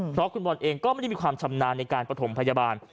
เพราะคุณบอลเองก็ไม่ได้มีความชำนาญในการประถมพยาบาล